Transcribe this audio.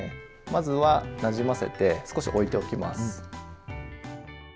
まずはなじませて少しおいておきます。